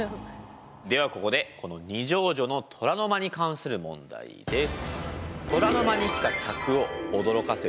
ではここでこの二条城の虎の間に関する問題です。